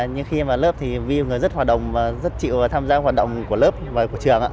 nhưng khi em vào lớp thì vi là một người rất hoạt động và rất chịu tham gia hoạt động của lớp và của trường ạ